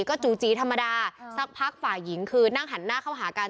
ก็จู่จีธรรมดาสักพักฝ่ายหญิงคือนั่งหันหน้าเข้าหากัน